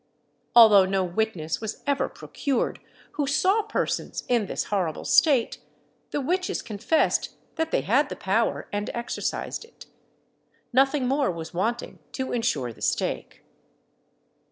Although no witness was ever procured who saw persons in this horrible state, the witches confessed that they had the power and exercised it. Nothing more was wanting to ensure the stake.